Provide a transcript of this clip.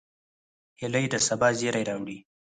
هیلۍ د سبا زیری راوړي